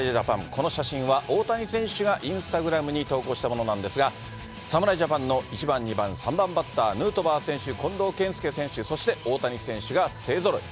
この写真は、大谷選手がインスタグラムに投稿したものなんですが、侍ジャパンの１番、２番、３番バッター、ヌートバー選手、近藤健介選手、そして大谷選手が勢ぞろい。